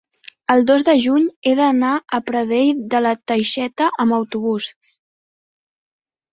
el dos de juny he d'anar a Pradell de la Teixeta amb autobús.